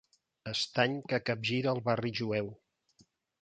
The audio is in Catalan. Estany que capgira el barri jueu.